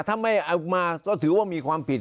ถ้าไม่เอามาก็ถือว่ามีความผิด